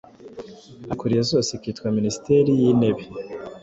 Ariko izikuriye zose ikitwa Minisiteri y’Intebe.